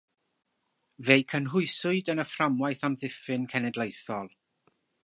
Fe'i cynhwyswyd yn y fframwaith Amddiffyn Cenedlaethol.